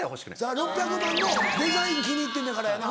６００万のデザイン気に入ってんのやからやな。